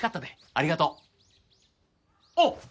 ありがとう。あっ！